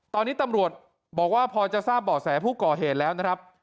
ตอนนี้ตำรวจบอกว่าพอจะทราบเบาะแสผู้ก่อเหตุแล้วนะครับ